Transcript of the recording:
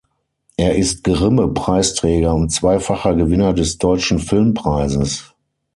Er ist Grimme-Preisträger und zweifacher Gewinner des Deutschen Filmpreises.